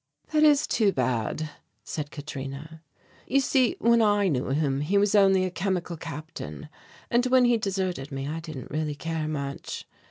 "That is too bad," said Katrina. "You see, when I knew him he was only a chemical captain. And when he deserted me I didn't really care much.